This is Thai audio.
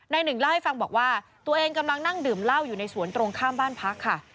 หนึ่งเล่าให้ฟังบอกว่าตัวเองกำลังนั่งดื่มเหล้าอยู่ในสวนตรงข้ามบ้านพักค่ะ